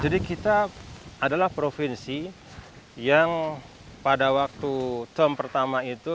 jadi kita adalah provinsi yang pada waktu term pertama itu